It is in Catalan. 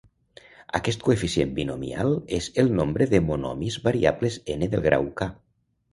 Aquest coeficient binomial és el nombre de monomis variables "n" del grau "k".